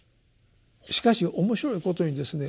しかし面白いことにですね